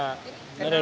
jadi nggak biasa